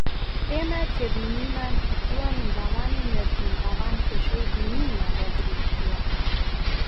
ئێمە تێبینیمان کردووە منداڵان و مێردمنداڵان کێشەی بینینیان بۆ دروستبووە